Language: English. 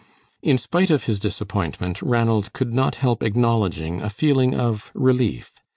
In spite of his disappointment, Ranald could not help acknowledging a feeling of relief.